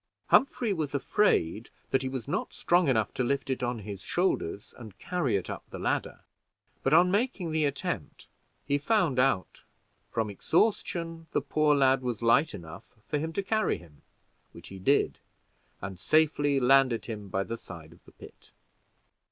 Humphrey was afraid that he was not strong enough to lift him on his shoulders and carry him up the ladder; but, on making the attempt he found out, from exhaustion, the poor lad was light enough for him to carry him, which he did, and safely landed him by the side of the pit.